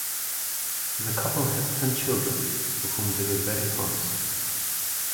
The couple had ten children, of whom they were very fond.